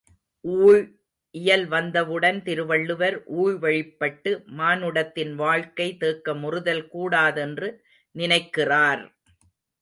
ஊழ் இயல் வந்தவுடன் திருவள்ளுவர், ஊழ்வழிப்பட்டு மானுடத்தின் வாழ்க்கை தேக்கமுறுதல் கூடாதென்று நினைக்கிறார்!